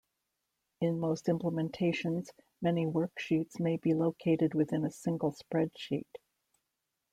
In most implementations, many worksheets may be located within a single spreadsheet.